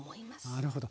なるほど。